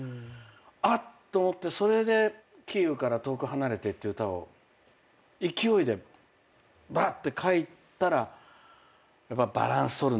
あっ！と思ってそれで『キーウから遠く離れて』っていう歌を勢いでばって書いたらやっぱバランス取るんですね。